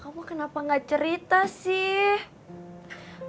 kamu kenapa gak cerita sih